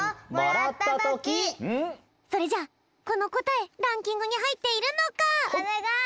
それじゃこのこたえランキングにはいっているのか？